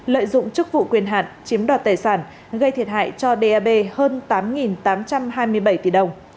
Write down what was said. lợi dụng chức vụ quyền hạn chiếm đoạt tài sản gây thiệt hại cho dap hơn tám tám trăm hai mươi bảy tỷ đồng